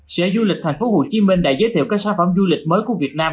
sở du lịch thành phố hồ chí minh đã giới thiệu các sản phẩm du lịch mới của việt nam